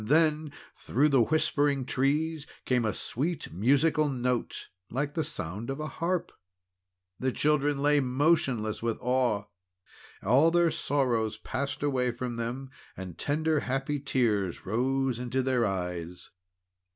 Then through the whispering trees came a sweet musical note, like the sound of a harp. The children lay motionless with awe. All their sorrow passed away from them, and tender, happy tears rose into their eyes.